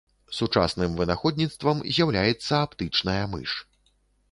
Сучасным вынаходніцтвам з'яўляецца аптычная мыш.